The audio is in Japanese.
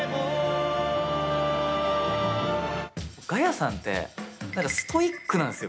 ガヤさんってなんかストイックなんすよ